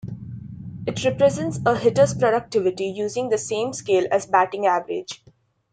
It represents a hitter's productivity using the same scale as batting average.